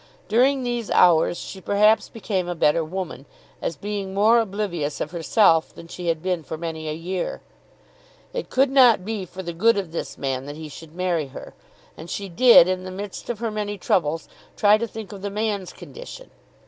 During these hours she perhaps became a better woman, as being more oblivious of herself, than she had been for many a year. It could not be for the good of this man that he should marry her, and she did in the midst of her many troubles try to think of the man's condition.